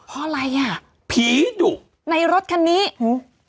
เพราะอะไรอ่ะในรถคันนี้พี่ดุ